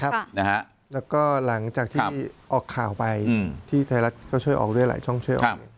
แล้วก็หลังจากที่ออกข่าวไปที่ไทยรัฐก็ช่วยออกด้วยหลายช่องช่วยออกเลย